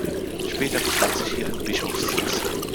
Später befand sich hier ein Bischofssitz.